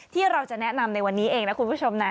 ที่เราจะแนะนำในวันนี้เองนะคุณผู้ชมนะ